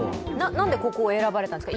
なんで、ここを選ばれたんですか？